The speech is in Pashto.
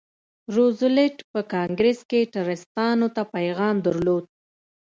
روزولټ په کانګریس کې ټرستانو ته پیغام درلود.